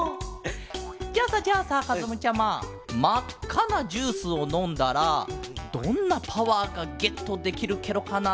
じゃあさじゃあさかずむちゃままっかなジュースをのんだらどんなパワーがゲットできるケロかな？